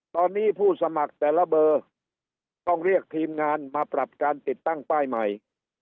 ตอนนี้ผู้สมัครแต่ละเบอร์ต้องเรียกทีมงานมาปรับการติดตั้งป้ายใหม่